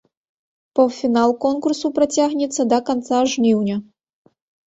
Паўфінал конкурсу працягнецца да канца жніўня.